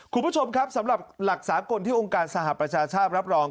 คุณผู้ชมครับสำหรับหลักสากลที่องค์การสหประชาชาติรับรอง